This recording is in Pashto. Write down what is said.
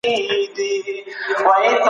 څوک د رایې ورکولو حق لري؟